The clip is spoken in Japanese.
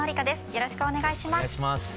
よろしくお願いします。